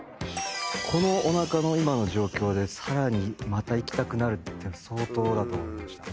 このおなかの今の状況でさらにまたいきたくなるって相当だと思いました。